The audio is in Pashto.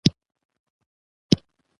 ځکه د غلطې تجزئې پرسپشن ډېر عام وي -